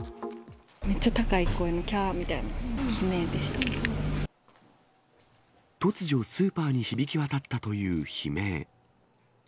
めっちゃ高い声の、突如、スーパーに響き渡ったという悲鳴。